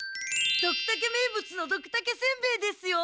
ドクタケ名物のドクタケせんべえですよ！